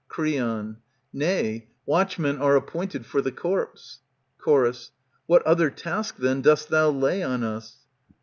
Creon, Nay, watchmen are appointed for the corpse. Chor, What other task then dost thou lay on us